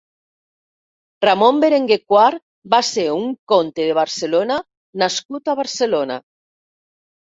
Ramon Berenguer quart va ser un comte de Barcelona nascut a Barcelona.